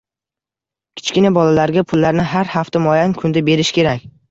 Kichkina bolalarga pullarni har hafta muayyan kunda berish kerak